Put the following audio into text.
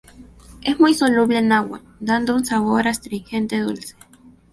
Es muy soluble en agua, dando un sabor astringente dulce.